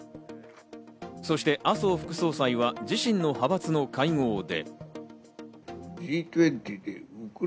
そして麻生副総裁は自身の派閥の会合で。